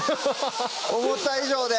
思った以上で！